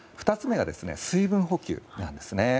２つ目が水分補給なんですね。